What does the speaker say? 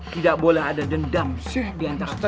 tidak boleh ada dendam sih diantara kita